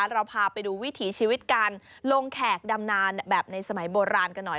เราพาไปดูวิถีชีวิตการลงแขกดำนานแบบในสมัยโบราณกันหน่อย